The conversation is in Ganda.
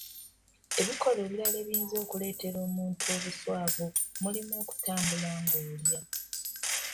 Ebikolwa ebirala ebiyinza okuleetera omuntu obuswavu mulimu okutambula ng'olya.